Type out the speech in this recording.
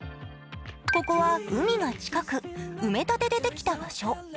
ここは海が近く埋め立てでできた場所。